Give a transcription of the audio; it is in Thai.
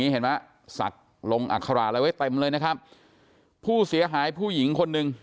นี้สัตว์ลงอักคาระอะไรเต็มเลยนะครับผู้เสียหายผู้หญิงคนหนึ่ง